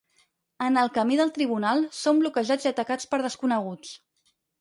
En el camí del tribunal, són bloquejats i atacats per desconeguts.